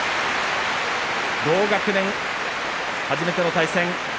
同学年、初めての対戦。